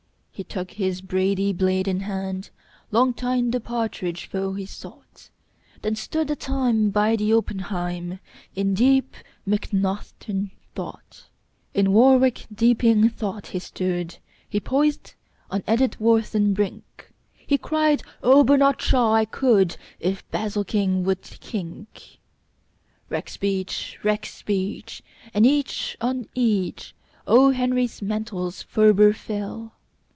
He took his brady blade in hand; Long time the partridge foe he sought. Then stood a time by the oppenheim In deep mcnaughton thought. In warwick deeping thought he stood He poised on edithwharton brink; He cried, "Ohbernardshaw! I could If basilking would kink." Rexbeach! rexbeach! and each on each O. Henry's mantles ferber fell.